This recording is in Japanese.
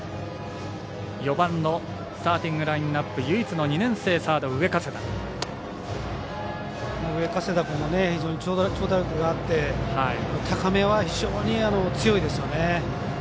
４番のスターティングラインナップ上加世田君は非常に長打力があって高めは非常に強いですよね。